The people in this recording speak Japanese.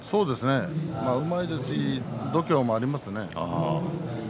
うまいですし度胸もありますね。